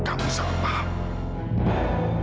kamu salah paham